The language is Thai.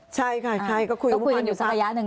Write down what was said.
ใช่ค่ะใช่ก็คุยกันอยู่สักระยะหนึ่ง